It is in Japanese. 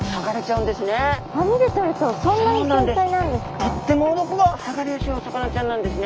そんなに繊細なんですか？